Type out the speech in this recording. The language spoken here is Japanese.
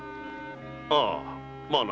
ああまあな。